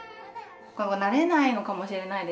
慣れないのかもしれないですね